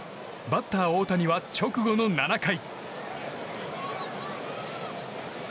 バッター大谷は直後の７回。